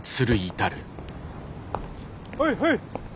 はいはい！